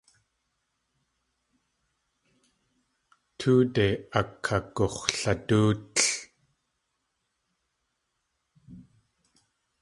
Tóode akagux̲ladóotl.